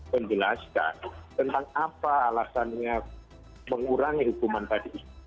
menjelaskan tentang apa alasannya mengurangi hukuman tadi itu